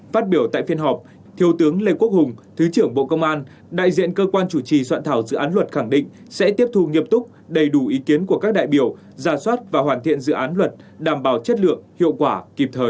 phát biểu tại phiên họp thiếu tướng lê quốc hùng thứ trưởng bộ công an đại diện cơ quan chủ trì soạn thảo dự án luật khẳng định sẽ tiếp thu nghiêm túc đầy đủ ý kiến của các đại biểu giả soát và hoàn thiện dự án luật đảm bảo chất lượng hiệu quả